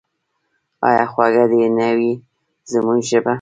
آیا خوږه دې نه وي زموږ ژبه؟